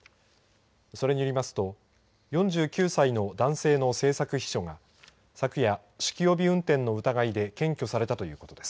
それによりますと４９歳の男性の政策秘書が昨夜、酒気帯び運転の疑いで検挙されたということです。